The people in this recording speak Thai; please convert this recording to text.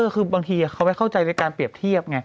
คือบางทีเขาไม่เข้าใจในการเปรียบเทียบไง